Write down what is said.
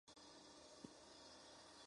Receptáculo ovoide, glabro.